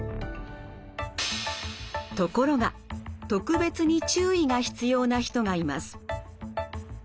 ところが特別に注意が必要な人がいます。